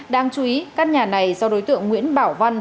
đáng chú ý căn nhà này do đối tượng nguyễn bảo văn